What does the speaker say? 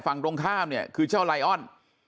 ฝั่งตรงข้ามเนี่ยคือเจ้าไลออน